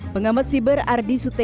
pengamat siber ardi suteja mengatakan